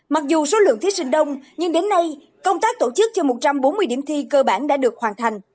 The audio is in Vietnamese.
mặc dù số lượng thí sinh đông nhưng đến nay công tác tổ chức cho một trăm bốn mươi điểm thi cơ bản